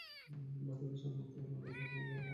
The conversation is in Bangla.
বাচ্চাদের সামনে মিথ্যা বলো না এতে তোমার খারাপ হবে।